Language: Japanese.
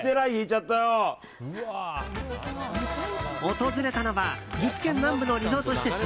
訪れたのは岐阜県南部のリゾート施設